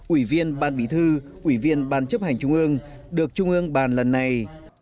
ủy viên ban bí thư ủy viên ban chấp hành trung ương được trung ương bàn lần này